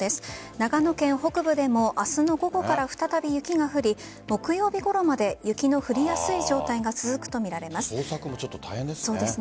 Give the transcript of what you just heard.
長野県北部でも明日の午後から再び雪が降り木曜日ごろまで雪の降りやすい状態が捜索も大変ですね。